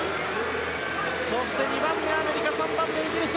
そして２番目、アメリカ３番目、イギリス